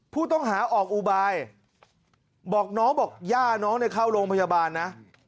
ผู้ต้องหาออกอุบายบอกน้องบอกย่าน้องเข้าโรงพยาบาลนะ